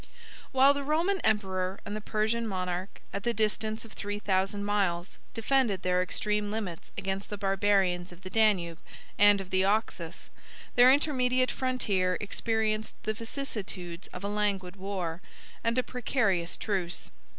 While the Roman emperor and the Persian monarch, at the distance of three thousand miles, defended their extreme limits against the Barbarians of the Danube and of the Oxus, their intermediate frontier experienced the vicissitudes of a languid war, and a precarious truce.